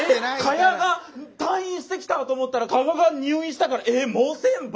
「賀屋が退院してきたと思ったら加賀が入院したからえもう千羽？」。